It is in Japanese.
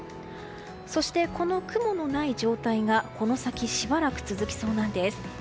そして、この雲のない状態がこの先しばらく続きそうなんです。